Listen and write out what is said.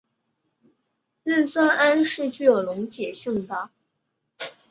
壬酸铵是具有溶解性的。